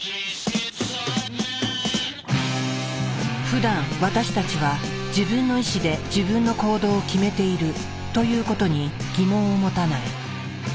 ふだん私たちは自分の意志で自分の行動を決めているということに疑問を持たない。